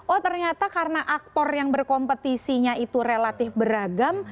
oh ternyata karena aktor yang berkompetisinya itu relatif beragam